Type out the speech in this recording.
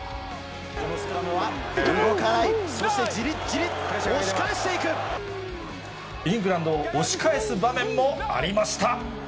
このスクラムは、動かない、イングランドを押し返す場面もありました。